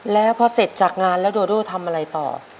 แล้วพอเสร็จจากงานแล้วโดโดทำอะไรต่อ